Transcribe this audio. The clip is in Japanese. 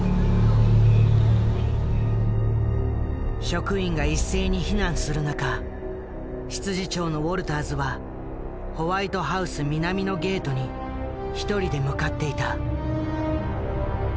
職員が一斉に避難する中執事長のウォルターズはホワイトハウス南のゲートに１人で向かっていた。